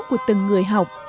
của từng người học